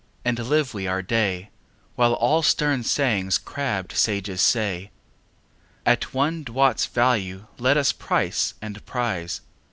and live we our day, While all stern sayings crabbed sages say, At one doit's value let us price and prize!